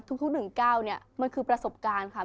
ทุก๑ก้าวมันคือประสบการณ์